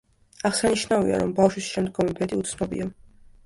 აღსანიშნავია, რომ ბავშვის შემდგომი ბედი უცნობია.